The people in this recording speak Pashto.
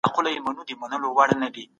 په کڅوڼي کي مي د خپل نوي موټر جواز ایښی و.